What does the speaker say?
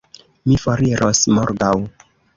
Mi foriros morgaŭ.